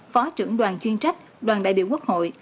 phó trưởng đoàn chuyên trách đoàn đại biểu quốc hội